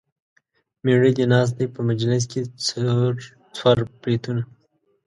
مېړه دې ناست دی په مجلس کې څور بریتونه.